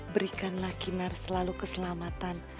berikanlah kinar selalu keselamatan